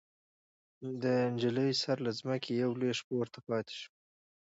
د نجلۍ سر له ځمکې يوه لوېشت پورته پاتې شو.